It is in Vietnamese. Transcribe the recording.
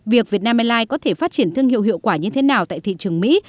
việc việt nam airlines có thể phát triển thương hiệu hiệu quả như thế nào tại thị trường mỹ